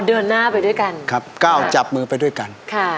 เอาเดินหน้าไปด้วยกัน